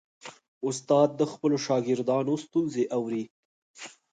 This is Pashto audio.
استاد د خپلو شاګردانو ستونزې اوري.